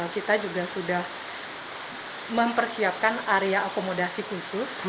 kita juga sudah mempersiapkan area akomodasi khusus